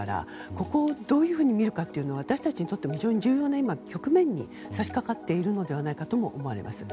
ここをどういうふうに見るかは私たちにとっても非常に重要な局面に差し掛かっているのではないかと思います。